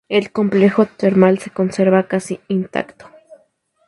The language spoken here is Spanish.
El complejo termal se conserva casi intacto.